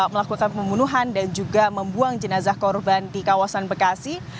melakukan pembunuhan dan juga membuang jenazah korban di kawasan bekasi